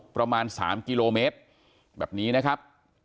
ประมาณ๓กิโลเมตรแบบนี้นะครับ